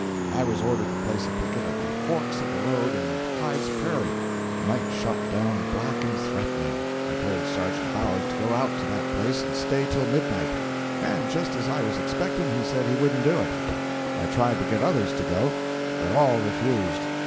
I was ordered to place a picket at the forks of the road in Hyde's prairie. Night shut down black and threatening. I told Sergeant Bowers to go out to that place and stay till midnight; and, just as I was expecting, he said he wouldn't do it. I tried to get others to go, but all refused.